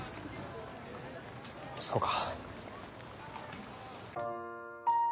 そそうか。